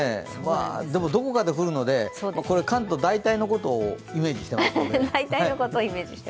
でもどこかで降るので関東大体のことをイメージしていますので。